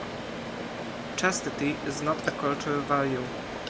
Chastity is not a cultural value.